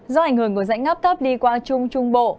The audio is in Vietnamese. do ảnh hưởng của rãnh ngắp thấp đi qua trung trung bộ